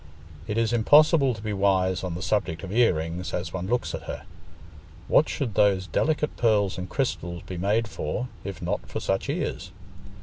It is impossible to be wise on the subject of ear rings as one looks at her; what should those delicate pearls and crystals be made for, if not for such ears?